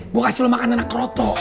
gue kasih lo makan anak keroto